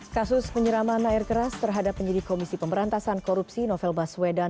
kasus penyeraman air keras terhadap penyidik komisi pemberantasan korupsi novel baswedan